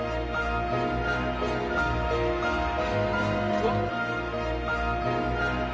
うわっ。